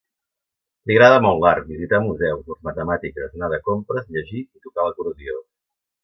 Li agrada molt l'art, visitar museus, les matemàtiques, anar de compres, llegir i tocar l'acordió.